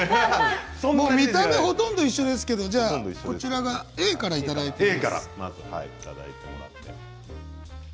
見た目ほとんど同じですけどＡからいただきます。